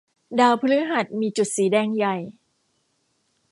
ดาวพฤหัสมีจุดสีแดงใหญ่